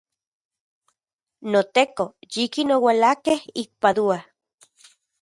NoTeko, yikin oualakej ik Padua.